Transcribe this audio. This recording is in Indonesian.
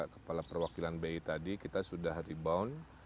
kepala perwakilan bi tadi kita sudah rebound